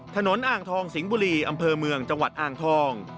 อ่างทองสิงห์บุรีอำเภอเมืองจังหวัดอ่างทอง